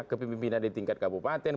kepimpinan di tingkat kabupaten